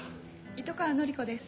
糸川典子です。